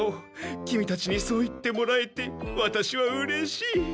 キミたちにそう言ってもらえてワタシはうれしい。